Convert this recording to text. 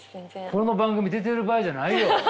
この番組出てる場合じゃないよ。